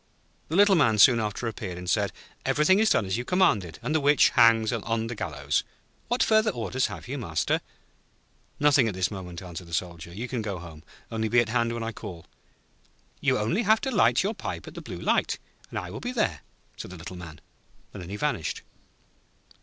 The Little Man soon after appeared, and said: 'Everything is done as you commanded, and the Witch hangs on the gallows. What further orders have you, Master?' 'Nothing at this moment,' answered the Soldier. 'You can go home; only be at hand when I call.' 'You only have to light your pipe at the Blue Light, and I will be there,' said the Little Man, and then he vanished.